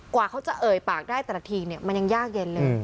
กว่าเขาจะเอ่ยปากได้แต่ละทีเนี่ยมันยังยากเย็นเลย